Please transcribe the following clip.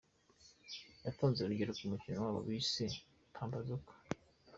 Yatanze urugero ku mukino wabo bise ‘Pambazuka’.